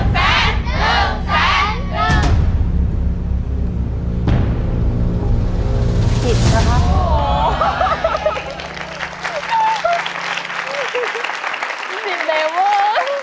มันเป็นแบบว่า